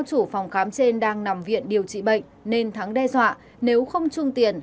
do chủ phòng khám trên đang nằm viện điều trị bệnh nên thắng đe dọa nếu không chung tiền